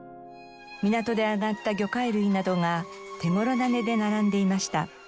港で揚がった魚介類などが手頃な値で並んでいました。